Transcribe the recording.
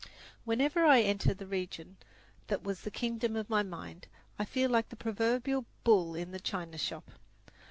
Whenever I enter the region that was the kingdom of my mind I feel like the proverbial bull in the china shop.